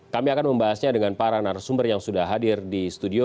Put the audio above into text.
kami akan membahasnya dengan para narasumber yang sudah hadir di studio